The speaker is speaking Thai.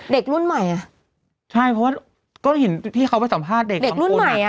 เด็กรุ่นใหม่อ่ะใช่เพราะว่าก็เห็นที่เขาไปสัมภาษณ์เด็กเด็กรุ่นใหม่อ่ะ